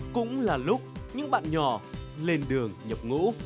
cũng là lúc những bạn nhỏ lên đường nhập ngũ